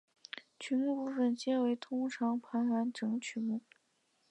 曲目部分皆为通常盘完整曲目。